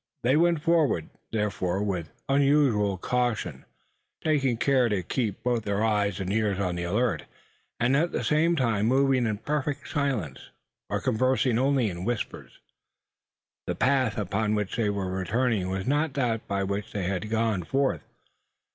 They went forward, therefore, with unusual caution, taking care to keep both their eyes and ears on the alert, and at the same time moving in perfect silence, or conversing only in whispers. The path upon which they were returning was not that by which they had gone forth.